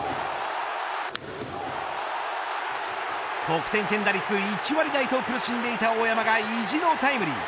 得点圏打率１割台と苦しんでいた大山が意地のタイムリー。